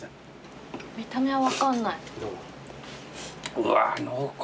うわ濃厚。